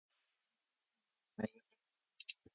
ასევე არის პოლიციის გენერალ-მაიორი.